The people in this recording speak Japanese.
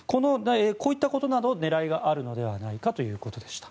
こういったことなどに狙いがあるのではないかということでした。